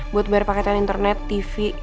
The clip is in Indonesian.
buat bayar paket internet tv